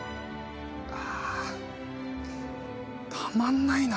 ああたまんないな。